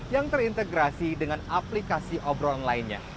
yang terintegrasi dengan aplikasi obrolan lainnya